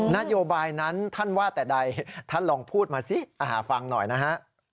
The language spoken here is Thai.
นโยบายนั้นท่านว่าแต่ใดท่านลองพูดมาสิฟังหน่อยนะฮะ